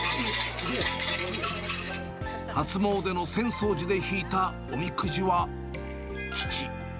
初詣の浅草寺で引いたおみくじは吉。